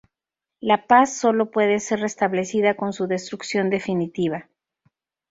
La paz sólo puede ser restablecida con su destrucción definitiva.